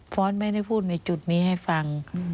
้อนไม่ได้พูดในจุดนี้ให้ฟัง